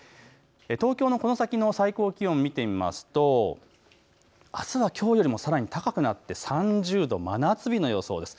東京のこの先の最高気温、見てみますとあすはきょうよりもさらに高くなって３０度、真夏日の予想です。